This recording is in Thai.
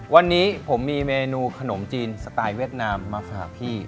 วันนี้ผมมีเมนูขนมจีนสไตล์เวียดนามมาฝากพี่